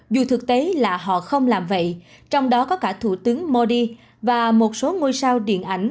dù thực tế là họ không làm vậy trong đó có cả thủ tướng modi và một số ngôi sao điện ảnh